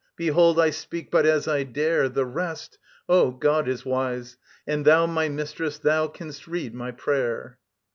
Behold, I speak but as I dare; The rest ... Oh, God is wise, and thou, my Mistress, thou canst read my prayer.